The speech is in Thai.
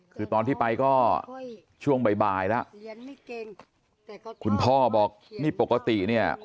คือตอนที่ไปก็ช่วงบ่ายบ่ายแล้วคุณพ่อบอกนี่ปกติเนี่ย